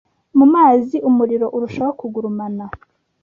mu mazi, umuriro urushaho kugurumana,